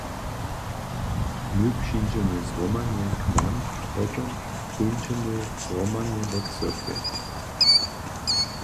My přińdźemy zhromadnje k wam a potom póńdźemy zhromadnje do cyrkwje.